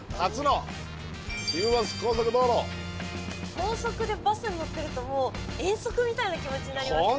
高速でバスに乗ってるともう遠足みたいな気持ちになりますね。